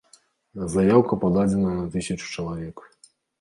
Заяўка пададзена на тысячу чалавек.